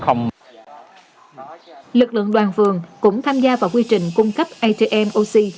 lực lượng đoàn phường cũng tham gia vào quy trình cung cấp atm oxy